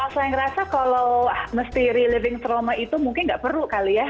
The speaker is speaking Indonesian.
saya ngerasa kalau mesti reliving trauma itu mungkin nggak perlu kali ya